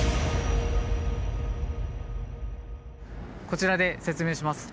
こちらで説明します。